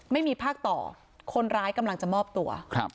ไม่มีภาคต่อคนร้ายกำลังจะมอบตัวครับ